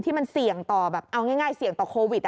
ที่มันเสี่ยงต่อแบบเอาง่ายเสี่ยงต่อโควิด